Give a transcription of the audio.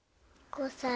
５歳。